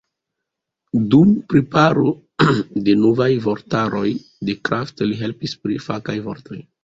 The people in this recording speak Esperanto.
Dum preparo de novaj vortaroj de Kraft li helpis pri fakaj vortoj.